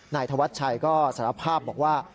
นายธวัชชัยก็สารภาพบอกว่า